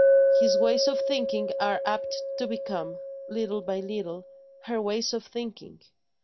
His ways of thinking are apt to become, little by little, her ways of thinking.